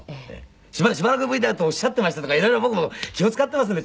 しばらくぶりだとおっしゃっていましたとか色々僕も気を使っていますね